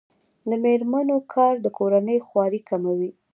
د میرمنو کار د کورنۍ خوارۍ کموي.